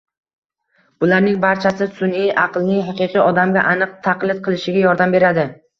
Bularning barchasi sunʼiy aqlning haqiqiy odamga aniq taqlid qilishiga yordam beradi.